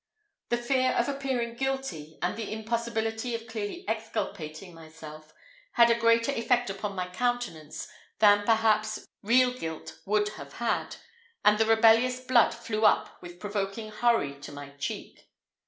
The fear of appearing guilty, and the impossibility of clearly exculpating myself, had a greater effect upon my countenance than perhaps real guilt would have had, and the rebellious blood flew up with provoking hurry to my cheek.